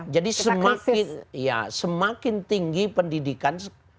jadi semakin tinggi pendidikan